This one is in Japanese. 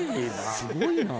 すごいな。